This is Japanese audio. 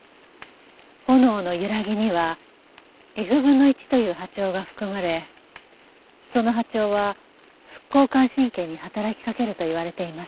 炎の揺らぎにはｆ分の１という波長が含まれその波長は副交感神経に働きかけるといわれています。